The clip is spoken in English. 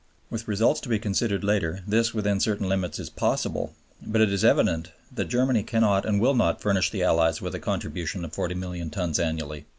With results to be considered later this within certain limits is possible. But it is evident that Germany cannot and will not furnish the Allies with a contribution of 40,000,000 tons annually.